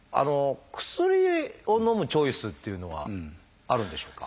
薬をのむチョイスっていうのはあるんでしょうか？